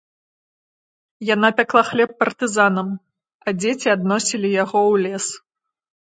Яна пякла хлеб партызанам, а дзеці адносілі яго ў лес.